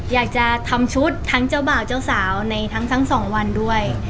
อยากจะทำชุดทั้งเจ้าบ่าวเจ้าสาวในทั้งสองวันด้วย